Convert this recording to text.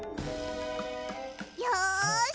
よし！